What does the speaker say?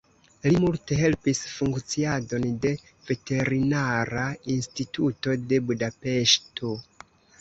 Li multe helpis funkciadon de Veterinara Instituto de Budapeŝto.